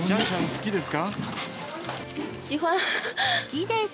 好きです。